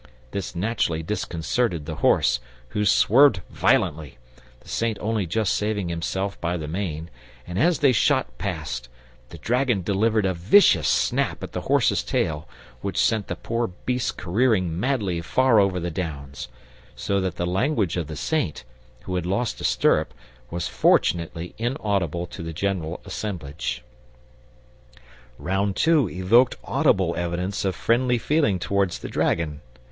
This naturally disconcerted the horse, who swerved violently, the Saint only just saving himself by the mane; and as they shot past the dragon delivered a vicious snap at the horse's tail which sent the poor beast careering madly far over the Downs, so that the language of the Saint, who had lost a stirrup, was fortunately inaudible to the general assemblage. Round Two evoked audible evidence of friendly feeling towards the dragon.